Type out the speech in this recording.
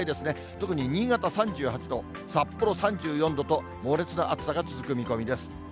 特に新潟３８度、札幌３４度と、猛烈な暑さが続く見込みです。